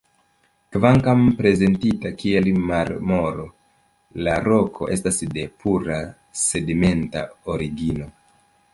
Kvankam prezentita kiel marmoro, la roko estas de pura sedimenta origino.